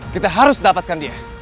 kita harus dapatkan dia